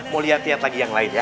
mau liat liat lagi yang lain ya